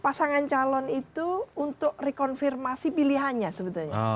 pasangan calon itu untuk rekonfirmasi pilihannya sebetulnya